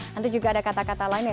nanti juga ada kata kata lain ya